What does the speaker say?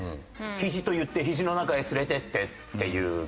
「ひじと言ってひじの中へ連れて行って」っていうのが。